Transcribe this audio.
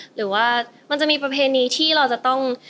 หรือว่ามันจะมีประเพณีที่เราจะต้อง